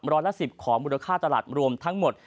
ร้อยละ๑๐ของมูลค่าตลาดรวมทั้งหมด